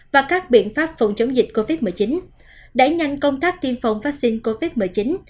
và các biện pháp phòng chống dịch covid một mươi chín đẩy nhanh công tác tiêm phòng vaccine covid một mươi chín